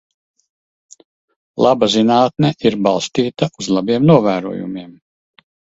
Laba zinātne ir balstīta uz labiem novērojumiem.